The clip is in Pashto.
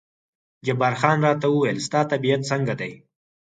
جبار خان راته وویل ستا طبیعت څنګه دی؟